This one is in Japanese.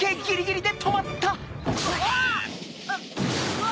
うわ！